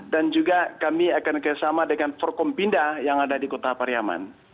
dan juga kami akan bersama dengan forkom pindah yang ada di kota pariaman